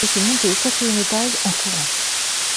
Je suis monté au quatrième étage en courant.